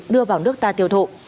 đưa vào nước ta tiêu thụ